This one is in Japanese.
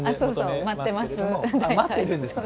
待ってます。